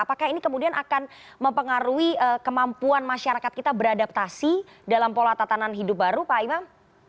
apakah ini kemudian akan mempengaruhi kemampuan masyarakat kita beradaptasi dalam pola tatanan hidup baru pak imam